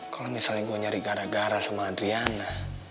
kalau misalnya gue nyari gara gara sama adriana